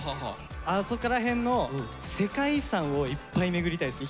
あそこら辺の世界遺産をいっぱい巡りたいです。